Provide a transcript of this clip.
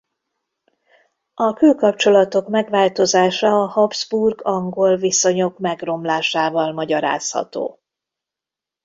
A külkapcsolatok megváltozása a Habsburg–angol viszonyok megromlásával magyarázható.